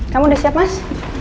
kamu udah siap mas